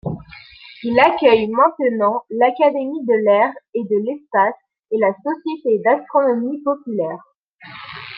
Il accueille maintenant l'Académie de l'air et de l'espace et la Société d'Astronomie Populaire.